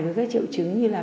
với các triệu chứng như là